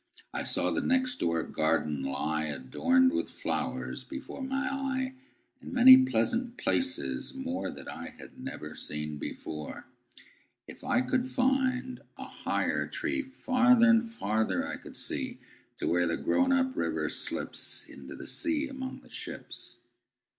I saw the next door garden lie, Adorned with flowers, before my eye, And many pleasant places moreThat I had never seen before. If I could find a higher treeFarther and farther I should see, To where the grown up river slipsInto the sea among the ships.